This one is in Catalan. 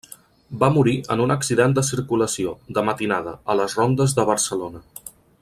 Va morir en un accident de circulació, de matinada, a les Rondes de Barcelona.